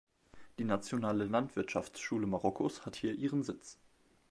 Die Nationale Landwirtschaftsschule Marokkos hat hier ihren Sitz.